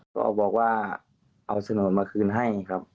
ก็บอกว่าเอาโฉนดมาคืนให้ครับ